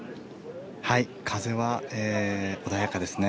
風は穏やかですね。